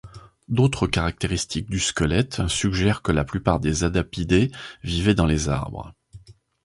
D'autres caractéristiques du squelette suggèrent que la plupart des adapidés vivaient dans les arbres.